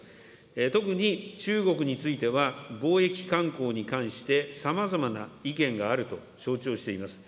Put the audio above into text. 特に、中国については、貿易慣行に対してさまざまな意見があると承知をしています。